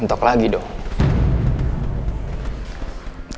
untuk lagi dong